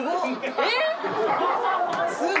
えっ？